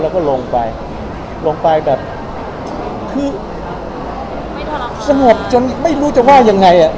แล้วก็ลงไปลงไปแบบคือสงบจนไม่รู้จะว่ายังไงอ่ะ